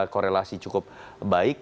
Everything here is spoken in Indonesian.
korelasi cukup baik